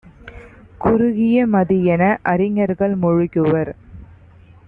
குறுகிய மதியென - அறிஞர்கள் மொழிகுவர்.